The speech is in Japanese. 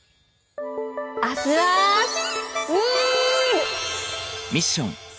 アスアースみール！